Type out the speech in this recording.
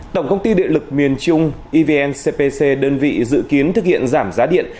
tổng công ty điện lực miền trung evn cpc đơn vị dự kiến thực hiện giảm giá điện